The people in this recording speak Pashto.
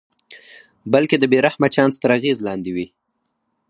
بلکې د بې رحمه چانس تر اغېز لاندې وي.